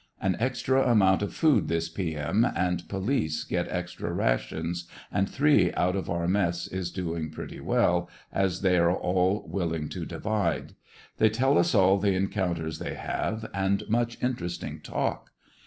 An extra amount of food this p. m., and police get extra rations, and three out of our mess is doing pretty well, as they are all wil ling to divide. They tell us all the encounters they have, and much interesting talk.